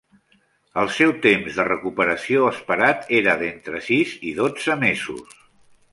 El seu temps de recuperació esperat era d'entre sis i dotze mesos.